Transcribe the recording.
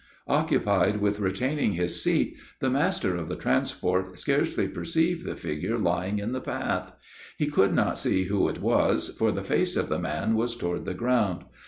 Occupied with retaining his seat, the master of the transport scarcely perceived the figure lying in the path. He could not see who it was, for the face of the man was toward the ground.